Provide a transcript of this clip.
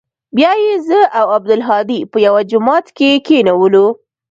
بيا يې زه او عبدالهادي په يوه جماعت کښې کښېنولو.